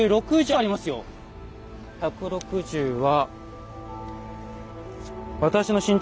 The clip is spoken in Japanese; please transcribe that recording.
１６０は。